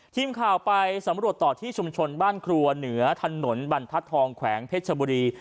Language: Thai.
ทีมข่าวไปสำรวจต่อที่ชุมชนบ้านครัวเหนือถนนบรรทัศน์ทองแขวงเพชรชบุรี